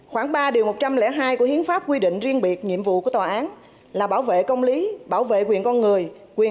khoảng ba điều một trăm linh hai của hiến pháp quy định riêng biệt nhiệm vụ của tòa án là bảo vệ công lý bảo vệ quyền con người quyền